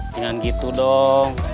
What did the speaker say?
jangan gitu dong